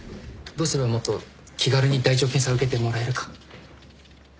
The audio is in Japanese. どうすればもっと気軽に大腸検査受けてもらえるか。